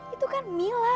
itu kan mila